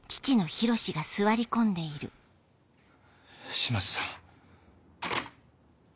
島津さん。